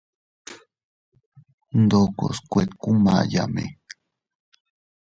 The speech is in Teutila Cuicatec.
Ndokos kuetkumayame.